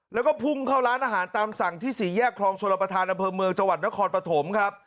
แล้วก็พุ่งเข้าร้านอาหารตามสั่งที่สี่แยกคลองชลประธานอำเภอเมืองจังหวัดนครปฐมครับ